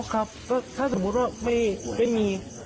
อ๋อครับถ้าสมมุติว่าไม่มี